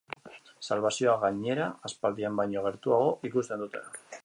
Salbazioa gainera, aspaldian baino gertuago ikusten dute.